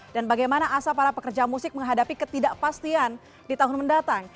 dan bagaimana asa para pekerja musik menghadapi ketidakpastian di tahun mendatang